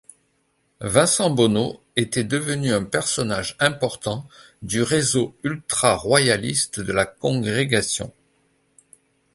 Vincent Bonneau était devenu un personnage important du réseau ultraroyaliste de la Congrégation.